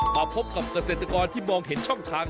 มาพบกับเกษตรกรที่มองเห็นช่องทาง